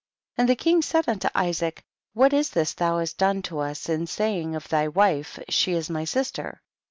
8. And the king said unto Isaac, what is this thou hast done to us in saying of thy wife, she is my sister